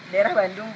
daerah bandung pak